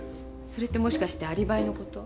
それってもしかしてアリバイのこと？